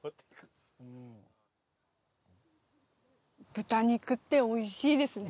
豚肉っておいしいですね。